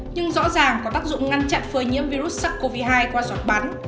nhưng rõ ràng có tác dụng ngăn chặn phơi nhiễm virus sars cov hai qua giọt bắn